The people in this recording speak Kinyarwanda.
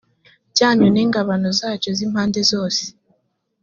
cyanyu n ingabano zacyo z impande zose